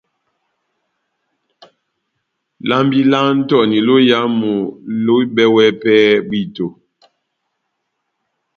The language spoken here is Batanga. Lambi lá Antoni lóyamu lohibɛwɛ pɛhɛ bwíto.